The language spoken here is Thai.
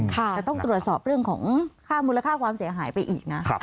แต่ต้องตรวจสอบเรื่องของค่ามูลค่าความเสียหายไปอีกนะ